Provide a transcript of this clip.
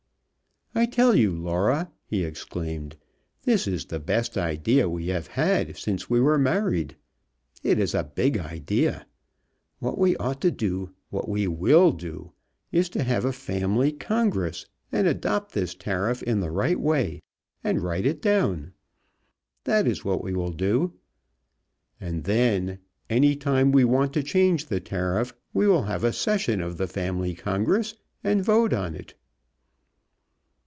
"I tell you, Laura!" he exclaimed. "This is the best idea we have had since we were married! It is a big idea! What we ought to do what we will do is to have a family congress and adopt this tariff in the right way, and write it down. That is what we will do and then, any time we want to change the tariff we will have a session of the family congress, and vote on it."